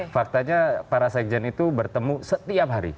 faktanya para sekjen itu bertemu setiap hari